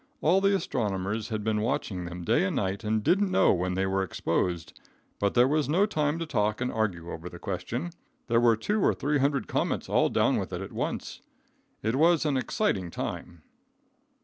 All the astronomers had been watching them day and night and didn't know when they were exposed, but there was no time to talk and argue over the question. There were two or three hundred comets all down with it at once. It was an exciting time.